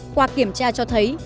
qua kiểm tra cho thấy